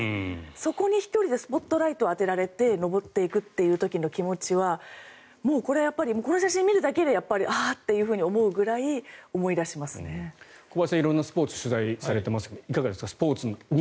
そこに１人でスポットライトを当てられて上っていくという時の気持ちはこの写真を見るだけでああって思うぐらいに小林さんは色んなスポーツを取材されていますがいかがでしょうか。